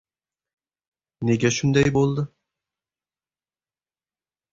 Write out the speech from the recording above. — Nega shunday bo‘ldi?